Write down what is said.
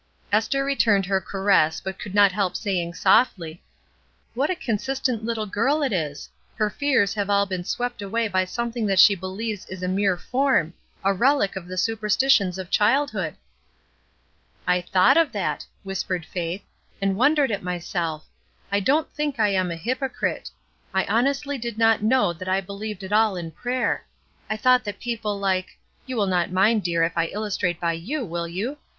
Esther returned her caress, but could not help saying softly :—" What a consistent little girl it is ! her fears have all been swept away by something that she believes is a mere form; a relic of the super stitions of childhood." ''I thought of that," whispered Faith, ''and wondered at myself; I don't think I am a hypocrite. I honestly did not know that I MELINDY'S BED 183 believed at all in prayer. I thought that people like — you will not mind, dear, if I illustrate by you, will you?